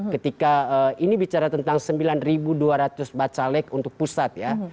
ketika ini bicara tentang sembilan dua ratus bacalek untuk pusat ya